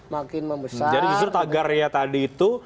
membesar jadi justru tagar ya tadi itu